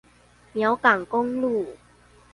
苗港公路